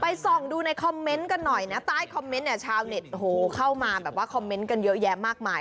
ส่องดูในคอมเมนต์กันหน่อยนะใต้คอมเมนต์เนี่ยชาวเน็ตเข้ามาแบบว่าคอมเมนต์กันเยอะแยะมากมาย